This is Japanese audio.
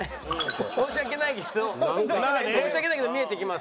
申し訳ないけど申し訳ないけど見えてきます。